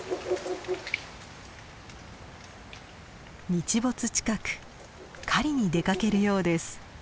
日没近く狩りに出かけるようです。